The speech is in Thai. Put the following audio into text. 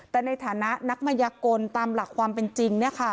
แต่ในฐานะนักมัยกลตามหลักความเป็นจริง